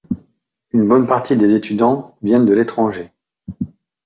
Une bonne partie des étudiants viennent de l'étranger.